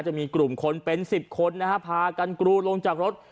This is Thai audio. จะมีกลุ่มคนเป็น๑๐คนนะฮะพากันกรูลงจากรถ